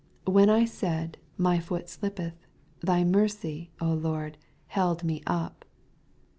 " When I said, my foot slip ^jf)eth, thy mercy, O Lord, held me up.